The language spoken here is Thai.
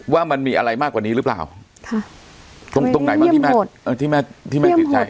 ว่ามันมีอะไรมากกว่านี้หรือเปล่าตรงตรงไหนบ้างที่แม่ที่แม่ที่แม่ติดใจ